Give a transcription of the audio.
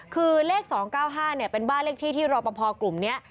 คือเลขสองเก้าห้าเนี่ยเป็นบ้านเลขที่ที่รอปภกลุ่มเนี้ย